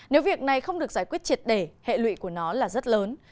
nếu việc này không được giải quyết triệt để hệ lụy của nó là rất lớn